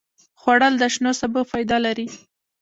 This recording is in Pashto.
خوړل د شنو سبو فایده لري